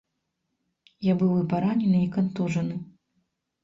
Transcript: Я быў і паранены, і кантужаны.